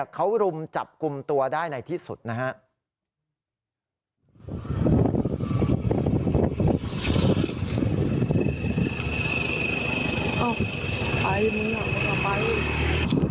เขารุมจับกลุ่มตัวได้ในที่สุดนะครับ